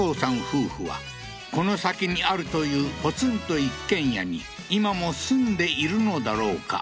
夫婦はこの先にあるというポツンと一軒家に今も住んでいるのだろうか？